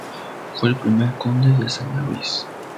Fue el primer conde de San Luis.